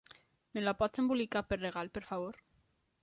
Me la pots embolicar per regal, per favor?